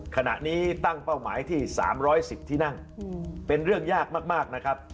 ขณะนี้ตั้งเป้าหมายที่๓๑๐ที่นั่งเป็นเรื่องยากมากนะครับ